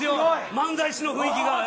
漫才師の雰囲気が。